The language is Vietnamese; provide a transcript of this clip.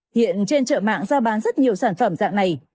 hiện trên chợ mạng giao bán rất nhiều sản phẩm dạng này